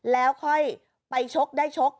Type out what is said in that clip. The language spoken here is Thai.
แล้วค่อยไปชกได้ชก